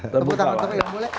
terima kasih pak